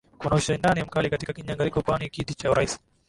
kuna ushindani mkali katika kinyaganyiro kuania kiti cha urais